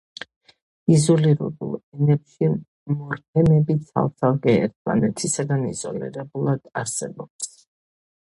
იზოლირებულ ენებში მორფემები ცალ-ცალკე, ერთმანეთისგან იზოლირებულად არსებობს.